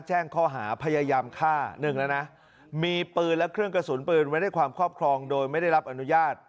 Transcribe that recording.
แจ้งข้อหาพยายามฆ่าหนึ่งแล้วนะมีปืนและเครื่องกระสุนปืนไว้ในความครอบครองโดยไม่ได้รับอนุญาต